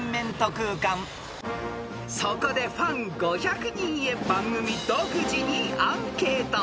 ［そこでファン５００人へ番組独自にアンケート］